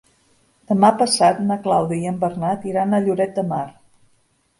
Demà passat na Clàudia i en Bernat iran a Lloret de Mar.